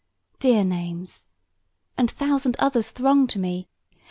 ... Dear names, And thousand other throng to me!